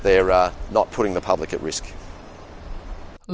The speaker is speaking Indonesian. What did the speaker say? atau memastikan mereka tidak membuat publik berhasil